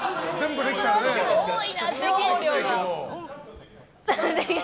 多いな、情報量が。